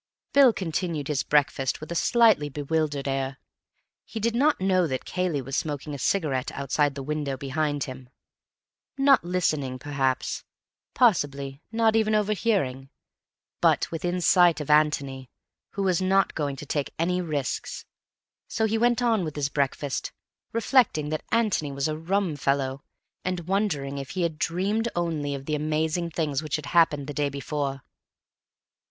Bill continued his breakfast with a slightly bewildered air. He did not know that Cayley was smoking a cigarette outside the windows behind him; not listening, perhaps; possibly not even overhearing; but within sight of Antony, who was not going to take any risks. So he went on with his breakfast, reflecting that Antony was a rum fellow, and wondering if he had dreamed only of the amazing things which had happened the day before.